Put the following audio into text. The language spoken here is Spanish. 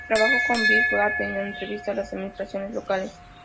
Se trabajó con big data y entrevistas a las administraciones locales.